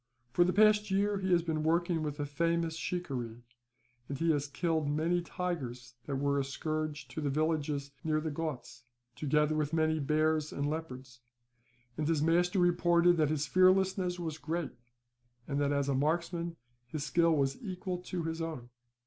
For the past year he has been working with a famous shikaree, and has killed many tigers that were a scourge to the villages near the Ghauts, together with many bears and leopards; and his master reported that his fearlessness was great, and that as a marksman his skill was equal to his own.